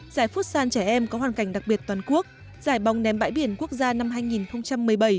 giải phút san trẻ em có hoàn cảnh đặc biệt toàn quốc giải bóng ném bãi biển quốc gia năm hai nghìn một mươi bảy